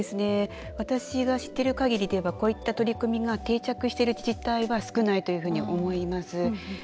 私が知っているかぎりではこういった取り組みが定着している自治体は少ないというふうに思います。